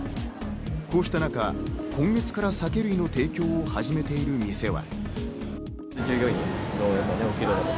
こうした中、今月から酒類の提供を始めている店は。